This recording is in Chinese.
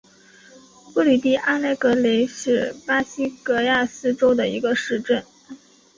布里蒂阿莱格雷是巴西戈亚斯州的一个市镇。